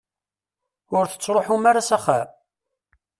Ur tettruḥum ara s axxam?